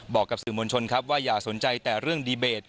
บอกกับสื่อมวลชนครับว่าอย่าสนใจแต่เรื่องดีเบต